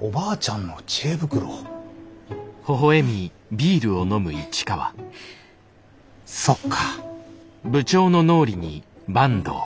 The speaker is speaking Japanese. おばあちゃんの知恵袋みたいで。